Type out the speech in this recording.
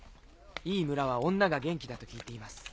いい村は女が元気だと聞いています。